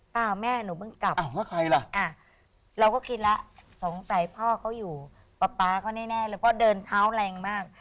เพราะจริงเพราะเท้าก็จะเดินหนัก